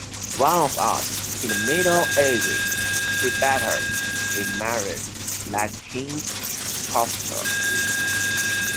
One of us, in the middle ages, did better: he married, like King Cophetua.